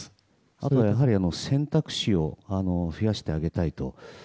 あとは、やはり選択肢を増やしてあげたいと。